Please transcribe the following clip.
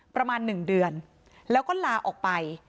ประมาณ๑เดือนแล้วก็ลาออกไป